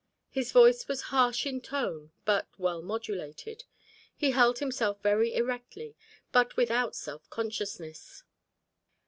His voice was harsh in tone but well modulated. He held himself very erectly but without self consciousness.